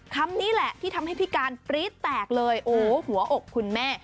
คำนี้แหละที่ทำให้พี่การปรี๊ดแตกเลยโอ้หัวอกคุณแม่